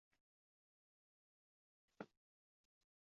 Chidamoqqa yo’qdir imkon